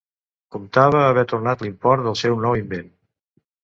Comptava haver tornat l'import del seu nou invent.